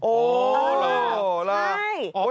โอ้โหใช่